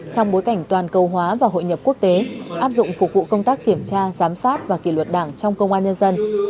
trong bối cảnh toàn cầu hóa và hội nhập quốc tế áp dụng phục vụ công tác kiểm tra giám sát và kỷ luật đảng trong công an nhân dân